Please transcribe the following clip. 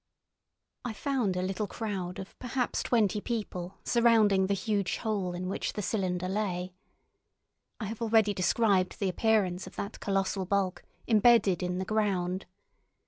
I found a little crowd of perhaps twenty people surrounding the huge hole in which the cylinder lay. I have already described the appearance of that colossal bulk, embedded in the ground.